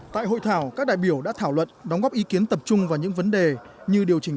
tại hội thảo các đại biểu đã thảo luận đóng góp ý kiến tập trung vào những vấn đề như điều chỉnh